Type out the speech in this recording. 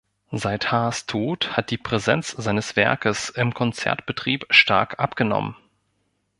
Seit Haas’ Tod hat die Präsenz seines Werkes im Konzertbetrieb stark abgenommen.